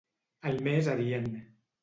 El més adient.